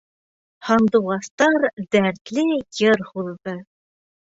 Һандуғастар дәртле йыр һуҙҙы.